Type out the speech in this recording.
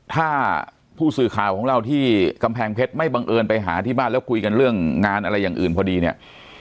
ถ้าผู้สื่อข่าวของเราที่กำแพงเพชรไม่บังเอิญไปหาที่บ้านแล้วคุยกันเรื่องงานอะไรอย่างอื่นพอดีเนี่ย